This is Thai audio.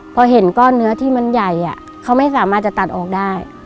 พอเห็นก้อนเนื้อที่มันใหญ่เขาไม่สามารถจะตัดออกได้